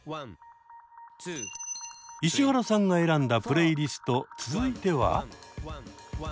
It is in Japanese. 石原さんが選んだプレイリスト続いては。